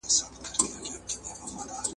ځکه چي ورځ بېله هغه هم ښه زېری نه راوړي ,